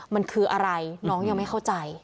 มันคืออะไรน้องยังไม่เข้าใจ